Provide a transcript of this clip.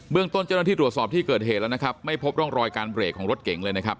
ต้นเจ้าหน้าที่ตรวจสอบที่เกิดเหตุแล้วนะครับไม่พบร่องรอยการเบรกของรถเก๋งเลยนะครับ